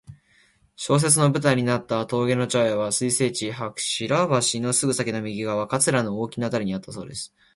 小説の舞台になった峠の茶屋は水生地・白橋のすぐ先の右側、桂の大木のあたりにあったそうです。